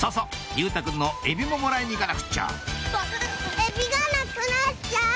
佑太くんのエビももらいに行かなくっちゃえびがなくなっちゃう！